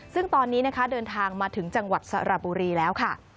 ซึ่งตอนนี้นะคะเดินทางมาถึงจังหวัดสระบุรีแล้วค่ะ